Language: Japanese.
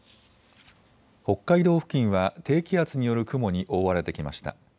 北海道付近は低気圧による雲に覆われてきました。